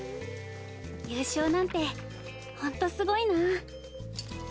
優勝なんてホントすごいな。